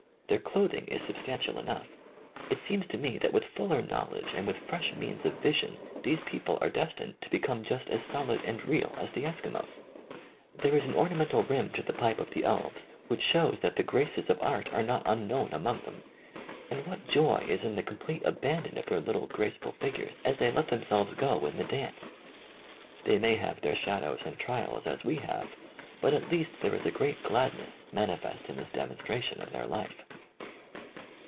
Their clothing is substantial enough. It seems to me that. with fuller knowledge and with fresh means of vision these people are destined to become just as solid and real as the Eskimos. There is an ornamental rim to the pipe of the elves which shows that the graces of art are not unknown among them. And what joy is in the com plete abandon of their little graceful figures as they let themselves go in the dance ! They may have their shadows and trials as we have, but at least there is a great gladness manifest in this demonstration of their life.